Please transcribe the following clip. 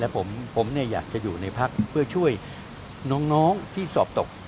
และผมเนี่ยอยากจะอยู่ในพรรคเพื่อช่วยน้องที่สอบตก